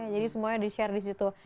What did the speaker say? jadi semuanya di share di situ